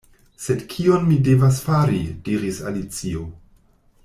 "Sed kion mi devas fari?" diris Alicio.